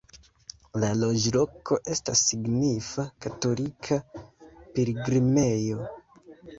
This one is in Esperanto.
La loĝloko estas signifa katolika pilgrimejo.